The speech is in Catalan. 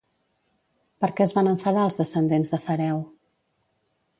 Per què es van enfadar els descendents d'Afareu?